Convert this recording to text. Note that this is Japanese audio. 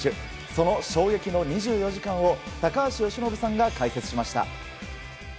その衝撃の２４時間を高橋由伸さんが解説しました。